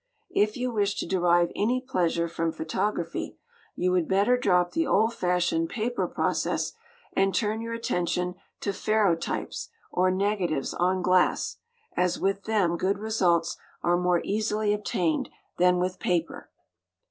If you wish to derive any pleasure from photography, you would better drop the old fashioned paper process, and turn your attention to ferrotypes, or negatives on glass, as with them good results are more easily obtained than with paper.